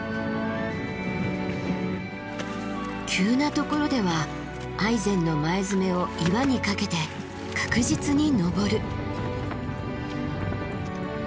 急なところではアイゼンの前爪を岩にかけて確実に登る。